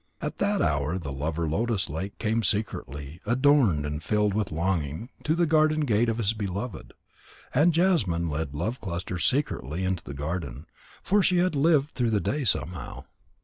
At that hour the lover Lotus lake came secretly, adorned and filled with longing, to the garden gate of his beloved. And Jasmine led Love cluster secretly into the garden, for she had lived through the day somehow.